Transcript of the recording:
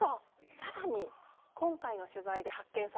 更に今回の取材で発見されました